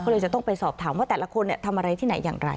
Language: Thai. ก็เลยจะต้องไปสอบถามว่าแต่ละคนทำอะไรที่ไหนอย่างไร